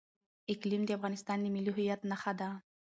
اقلیم د افغانستان د ملي هویت نښه ده.